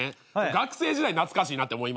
学生時代懐かしいなって思いまして。